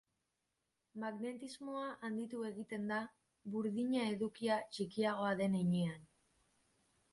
Magnetismoa handitu egiten da burdina-edukia txikiagoa den heinean.